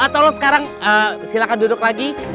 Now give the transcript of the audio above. tolong sekarang silahkan duduk lagi